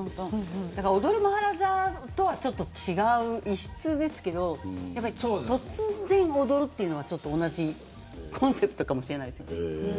踊るマハラジャとはちょっと違う、異質ですが突然踊るのは、同じコンセプトかもしれないですね。